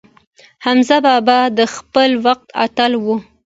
حمزه بابا د خپل وخت اتل و.